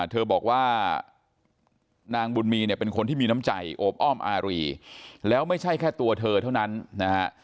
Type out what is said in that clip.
เธอบอกว่านางบุญมีเนี่ยเป็นคนที่มีน้ำใจโอบอ้อมอารีแล้วไม่ใช่แค่ตัวเธอเท่านั้นนะฮะ